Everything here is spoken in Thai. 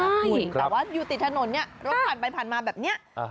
แต่ว่ายูติดถนนเนี่ยตัวผ่านไปผ่านมาแบบเนี่ย